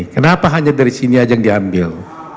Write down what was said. kenapa hanya dari sini aja yang diambil